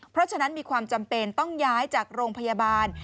เพราะฉะนั้นมีความจำเป็นต้องย้ายจากโรงพยาบาล